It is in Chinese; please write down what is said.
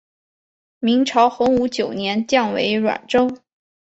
明朝洪武九年降为沅州。